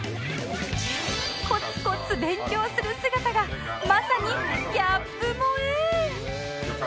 コツコツ勉強する姿がまさにギャップ萌え